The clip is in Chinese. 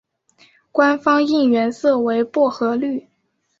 官方应援色为薄荷绿。